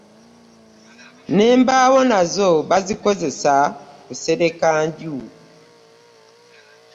N'embawo nazo bazikozesa kusereka nju.